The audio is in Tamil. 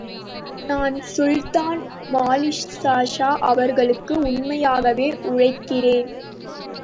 நான் சுல்தான் மாலிக்ஷா அவர்களுக்கு உண்மையாகவே உழைக்கிறேன்.